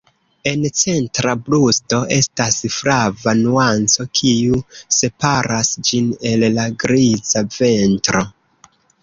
En centra brusto estas flava nuanco kiu separas ĝin el la griza ventro.